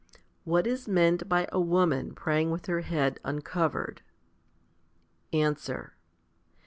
What is meant by a woman praying with her head uncovered ? x Answer.